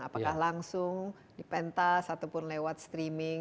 apakah langsung dipentas ataupun lewat streaming